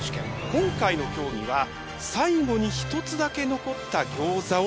今回の競技は「最後に一つだけ残ったギョーザを食べる」です。